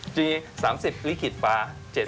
จริง๓๐ลิขิตฟ้า